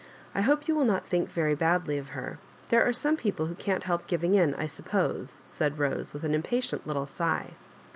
I hope you will not think very badly of her. There are some people who can't help giving in, I suppose," said Bose, with an impatient little sigh.